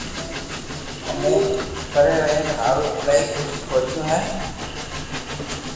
امي پري زبين ھارون ايلايو ڪجھ سوچيو ھي